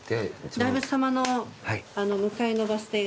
大仏様の向かいのバス停が。